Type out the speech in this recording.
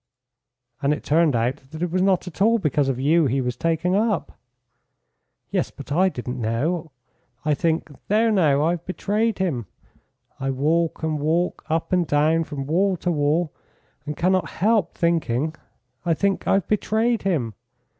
"And it turned out that it was not at all because of you he was taken up?" "Yes, but I didn't know. I think, 'There, now, I have betrayed him.' I walk and walk up and down from wall to wall, and cannot help thinking. I think, 'I have betrayed him.